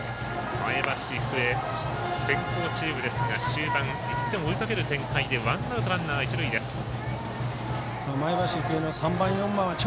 前橋育英、先攻チームですが終盤、１点を追いかける展開でワンアウト、ランナー、一塁です。